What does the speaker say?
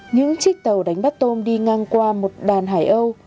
những chiếc tàu đánh bắt tôm đi ngang qua một đàn hải âu